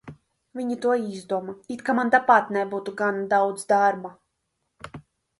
Viņi to izdomā, it kā man tāpat nebūtu gana daudz darba?